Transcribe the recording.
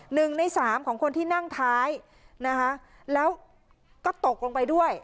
หนึ่งในสามของคนที่นั่งท้ายนะคะแล้วก็ตกลงไปด้วย